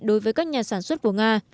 đối với các nhà sản xuất của nga